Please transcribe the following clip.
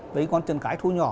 với con chân cái thu nhỏ